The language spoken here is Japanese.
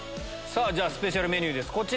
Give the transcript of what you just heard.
じゃスペシャルメニューです。